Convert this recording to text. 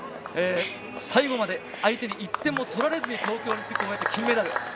最後まで相手に１点も取られずに東京オリンピックを終えて金メダル。